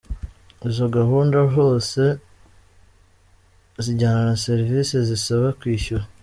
Izo gahunda zose zijyana na serivise zisaba kwishyura.